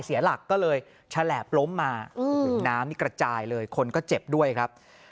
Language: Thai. เสียหลักก็เลยแฉลบล้มมาน้ำนี่กระจายเลยคนก็เจ็บด้วยครับ